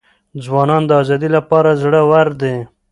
ځوانان د آزادۍ لپاره زړه ور دي.